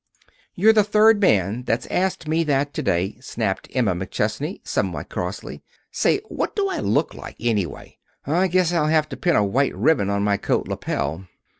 "You're the third man that's asked me that to day," snapped Emma McChesney, somewhat crossly. "Say, what do I look like, anyway? I guess I'll have to pin a white ribbon on my coat lapel."